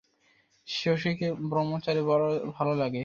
শশীকে ব্রহ্মচারীর বড় ভালো লাগে।